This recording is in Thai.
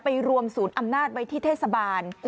รวมศูนย์อำนาจไว้ที่เทศบาล